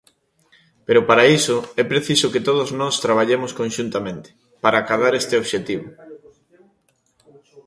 Pero para iso é preciso que todos nós traballemos conxuntamente, para acadar este obxectivo.